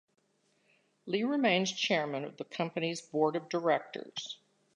Li remains chairman of the company's board of directors.